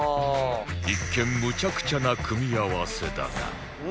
一見むちゃくちゃな組み合わせだが